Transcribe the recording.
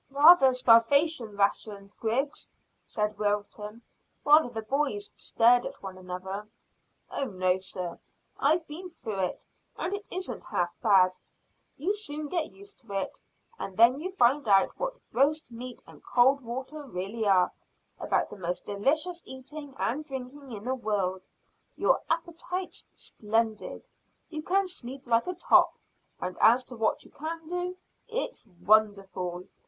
"Rather starvation rations, Griggs," said Wilton, while the boys stared at one another. "Oh no, sir. I've been through it, and it isn't half bad. You soon get used to it, and then you find out what roast meat and cold water really are about the most delicious eating and drinking in the world. Your appetite's splendid; you can sleep like a top; and as to what you can do, it's wonderful.